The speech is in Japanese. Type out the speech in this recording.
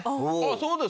そうですか。